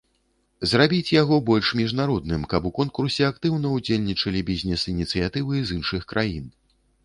Зрабіць яго больш міжнародным, каб у конкурсе актыўна ўдзельнічалі бізнес-ініцыятывы з іншых краін.